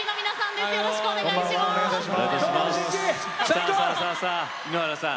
さあさあさあさあ井ノ原さん。